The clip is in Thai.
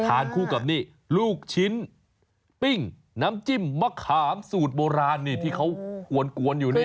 คู่กับนี่ลูกชิ้นปิ้งน้ำจิ้มมะขามสูตรโบราณนี่ที่เขากวนอยู่นี่